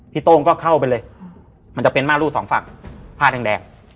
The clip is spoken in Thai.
โต้งก็เข้าไปเลยมันจะเป็นม่ารูดสองฝักผ้าแดง